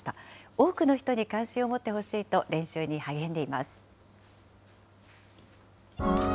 多くの人に関心を持ってほしいと、練習に励んでいます。